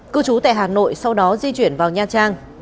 cư trú tại hà nội sau đó di chuyển vào nha trang